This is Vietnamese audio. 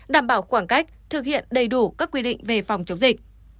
đảm bảo khoảng cách thực hiện đầy đủ các quy định về phòng chống dịch